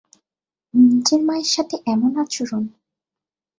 নিজের মায়ের সাথে এমন আচরণ।